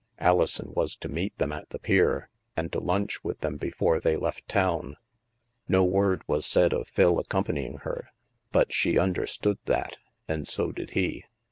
Alison was to meet them at the pier, and to lunch with them before they left town. No word was said of Phil accompanying her, but she understood that, and so did he.